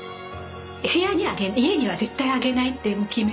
部屋に上げない家には絶対上げないってもう決めてた。